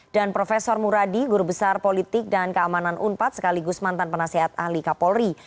dan profesor muradi guru besar politik dan keamanan unpad sekaligus mantan penasehat ahli kapolri